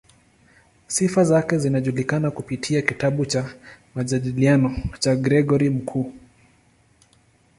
Sifa zake zinajulikana kupitia kitabu cha "Majadiliano" cha Gregori Mkuu.